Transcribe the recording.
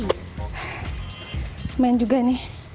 lumayan juga ini